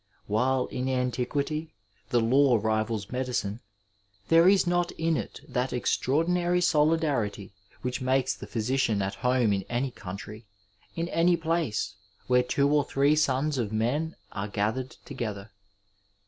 While in antiquity the law rivals medicine, there is not in it that extraordinary solidarity which makes the physiaian at home in any country, in any place where two or three sons of men are gathered together.